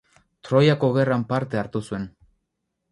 Troiako gerran parte hartu zuen.